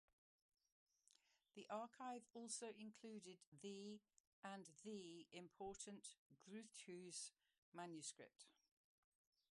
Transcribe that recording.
The archive also included the and the important Gruuthuse manuscript.